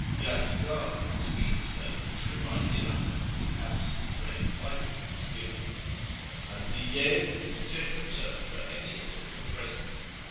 YddifjAr is a keepsake, to remind the owner of the absent friend by whom it was given. Iladii/i/t' is a general term for any sort of present.